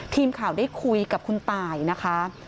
ทีมข่าวได้คุยกับคุณตายนะคะ